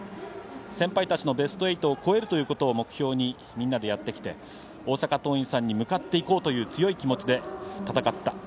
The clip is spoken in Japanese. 先輩たちのベスト８を超えるということを目標にみんなでやってきて大阪桐蔭さんに向かっていこうという強い気持ちで戦った。